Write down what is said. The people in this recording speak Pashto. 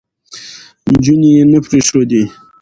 نجونې يې نه پرېښودې،